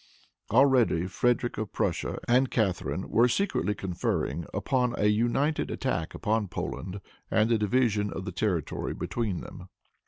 Already Frederic of Prussia and Catharine were secretly conferring upon a united attack upon Poland and the division of the territory between them.